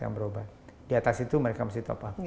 yang berobat di atas itu mereka masih top up